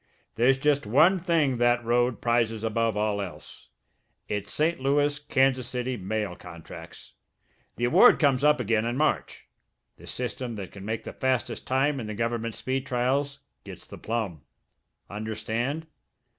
There's just one thing that road prizes above all else it's St. Louis Kansas City mail contracts. The award comes up again in March. The system that can make the fastest time in the government speed trials gets the plum. Understand?"